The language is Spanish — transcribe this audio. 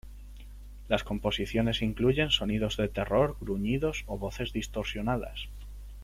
Las composiciones incluyen sonidos de terror, gruñidos o voces distorsionadas.